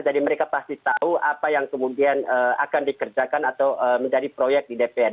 jadi mereka pasti tahu apa yang kemudian akan dikerjakan atau menjadi proyek di dpr